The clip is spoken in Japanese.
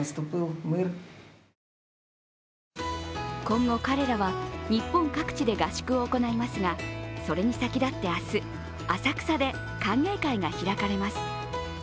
今後彼らは、日本各地で合宿を行いますがそれに先立って明日浅草で歓迎会が開かれます。